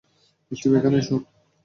Steve, এখানে এসো।